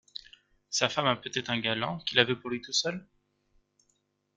Sa femme a peut-être un galant qui la veut pour lui tout seul?